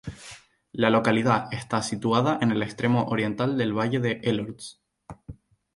La localidad está situada en el extremo oriental del Valle de Elorz.